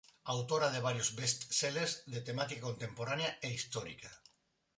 Autora de varios best sellers de temática contemporánea e histórica.